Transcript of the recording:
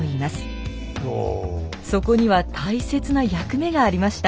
そこには大切な役目がありました。